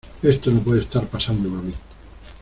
Esto no puede estar pasándome a mí.